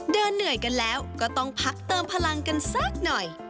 เหนื่อยกันแล้วก็ต้องพักเติมพลังกันสักหน่อย